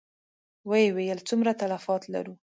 ويې ويل: څومره تلفات لرو؟